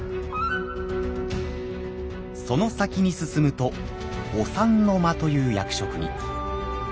その先に進むと「御三之間」という役職に。